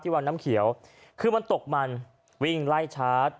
วังน้ำเขียวคือมันตกมันวิ่งไล่ชาร์จ